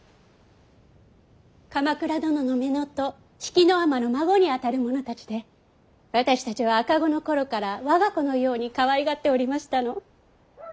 鎌倉殿の乳母比企尼の孫にあたる者たちで私たちは赤子の頃から我が子のようにかわいがっておりましたの。